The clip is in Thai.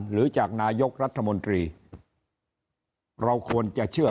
หรือจากนายกรัฐมนตรีเราควรจะเชื่อ